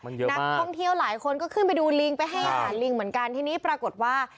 นักท่องเที่ยวหลายคนก็ขึ้นไปดูลิงไปให้อาหารลิงเหมือนกันทีนี้ปรากฏว่า